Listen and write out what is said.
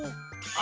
あ！